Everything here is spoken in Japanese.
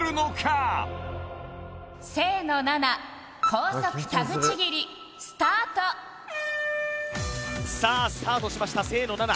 高速タグちぎりスタートさあスタートしました清野菜名